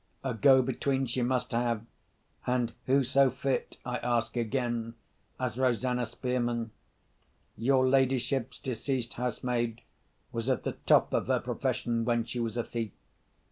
A go between she must have, and who so fit, I ask again, as Rosanna Spearman? Your ladyship's deceased housemaid was at the top of her profession when she was a thief.